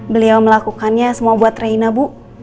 beliau melakukannya semua buat reina bu